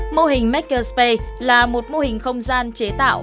mô hình makerspace là một mô hình không gian chế tạo